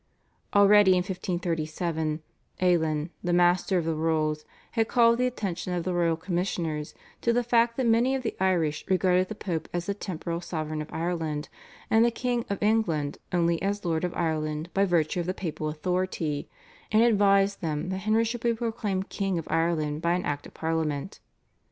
Already in 1537, Alen, the Master of the Rolls, had called the attention of the royal commissioners to the fact that many of the Irish regarded the Pope as the temporal sovereign of Ireland and the King of England only as Lord of Ireland by virtue of the Papal authority, and advised them that Henry should be proclaimed King of Ireland by an Act of Parliament.